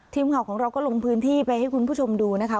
ทีมข่าวของเราก็ลงพื้นที่ไปให้คุณผู้ชมดูนะคะ